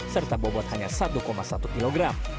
serta bobot hanya satu satu kg